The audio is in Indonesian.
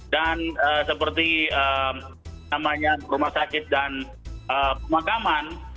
dan seperti namanya rumah sakit dan pemakaman